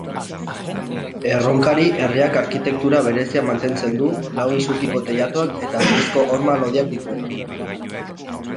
Erronkari herriak arkitektura berezia mantentzen du, lau isurkiko teilatuak eta harrizko horma lodiak dituena.